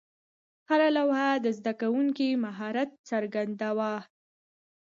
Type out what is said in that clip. هره لوحه د زده کوونکي مهارت څرګنداوه.